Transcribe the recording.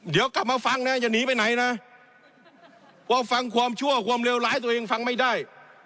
เดี๋ยวกลับมาฟังนะอย่าหนีไปไหนนะว่าฟังความชั่วความเลวร้ายตัวเองฟังไม่ได้